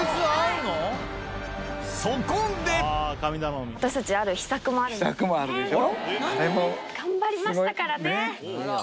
そこで秘策もあるでしょ？